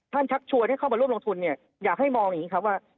ชักชวนให้เข้ามาร่วมลงทุนเนี่ยอยากให้มองอย่างนี้ครับว่า